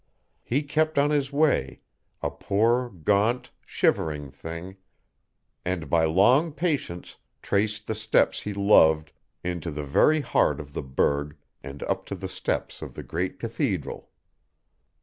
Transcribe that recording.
He kept on his way, a poor gaunt, shivering thing, and by long patience traced the steps he loved into the very heart of the burgh and up to the steps of the great cathedral.